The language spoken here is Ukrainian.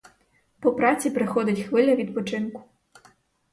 По праці приходить хвиля відпочинку.